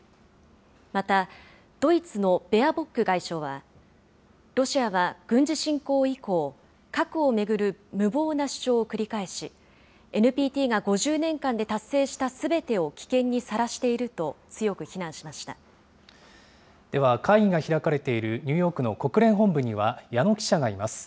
また、ドイツのベアボック外相は、ロシアは軍事侵攻以降、核を巡る無謀な主張を繰り返し、ＮＰＴが５０年間で達成したすべてを危険にさらしていると強く非難しましでは、会議が開かれているニューヨークの国連本部には、矢野記者がいます。